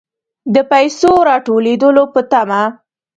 د پیسو راتوېدلو په طمع.